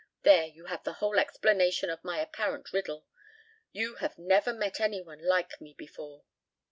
... There you have the whole explanation of my apparent riddle. You have never met any one like me before."